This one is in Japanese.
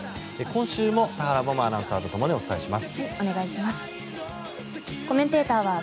今週も田原萌々アナウンサーとともにお伝えします。